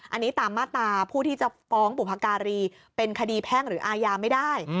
อันนี้ตามมาตราผู้ที่จะฟ้องบุพการีเป็นคดีแพ่งหรืออาญาไม่ได้